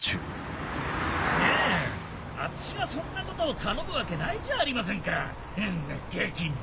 いえ私がそんなこと頼むわけないじゃありませんかあんなガキに。